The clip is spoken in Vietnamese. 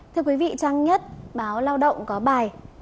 thưa quý vị trang nhất báo lao động có bài